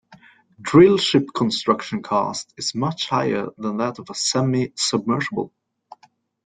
Drillship construction cost is much higher than that of a semi-submersible.